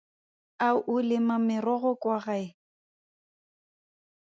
A o lema merogo kwa gae?